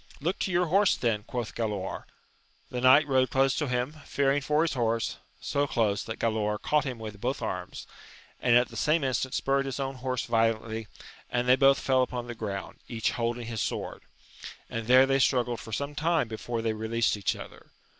Look to your horse then ! quoth Galaor. The knight rode close to him, fearing for his horse ; so close, that Galaor caught him with both arms, and at the same instant spurred his own horse violently, and they both fell upon the ground, each holding his sword, and there they struggled for some time before the^ released each other.